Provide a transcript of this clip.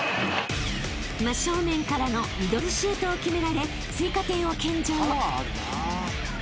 ［真正面からのミドルシュートを決められ追加点を献上］